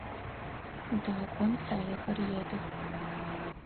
Дакӏом саехэр едых.